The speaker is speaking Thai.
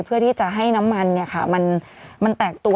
เพื่อที่จะให้น้ำมันมันแตกตัว